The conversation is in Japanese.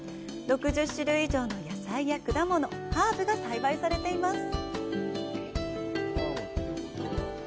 ６０種類以上の野菜や果物、ハーブが栽培されています。